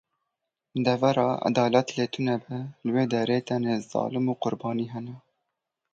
Devera edalet lê tune be, li wê derê tenê zalim û qurbanî hene.